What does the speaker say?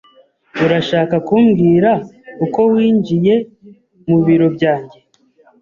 Urashaka kumbwira uko winjiye mu biro byanjye?